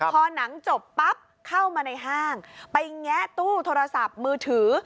พอหนังจบปั๊บเข้ามาในห้างไปแงะตู้โทรศัพท์มือถือ